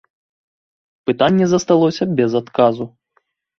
Пытанне засталося без адказу.